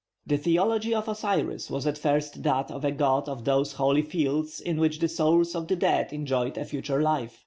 The theology of Osiris was at first that of a god of those holy fields in which the souls of the dead enjoyed a future life.